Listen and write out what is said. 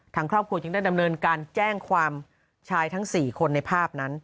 ทางครอบครัวจึงได้ดำเนินการแจ้งความชายทั้ง๔คนในภาพนั้น